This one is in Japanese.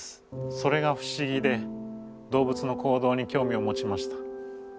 それが不思議で動物の行動に興味を持ちました。